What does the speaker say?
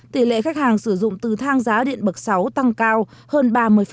tỷ lệ khách hàng sử dụng từ thang giá điện bậc sáu tăng cao hơn ba mươi